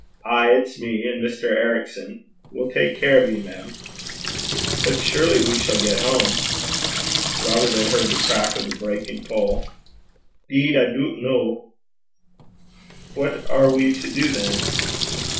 'Ay, it's me, and Mr. Ericson. We'll tak care o' ye, mem.' 'But surely we shall get home!' Robert had heard the crack of the breaking pole. ''Deed, I doobt no.' 'What are we to do, then?'